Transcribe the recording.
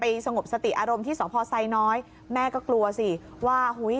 สงบสติอารมณ์ที่สพไซน้อยแม่ก็กลัวสิว่าหุ้ย